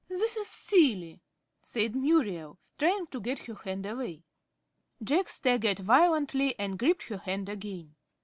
"This is silly," said Muriel, trying to get her hand away. Jack staggered violently, and gripped her hand again.